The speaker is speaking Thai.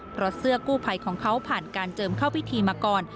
เพราะเสื้อกู้ภัยของเขาผ่านการเจิมเข้าพิธีมาก่อน